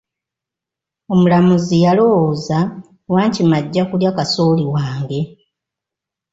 Omulamuzi yalowooza, Wankima ajja kulya kasooli wange.